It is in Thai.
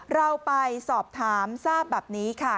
เราไปสอบถามทราบแบบนี้ค่ะ